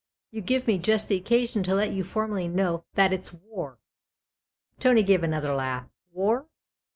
You give me just the occasion to let you formally know that it's war." Tony gave another laugh. " War